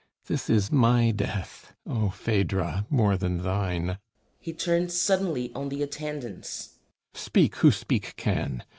This is my death, O Phaedra, more than thine. [He turns suddenly on the Attendants.] Speak who speak can!